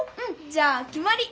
じゃあきまり。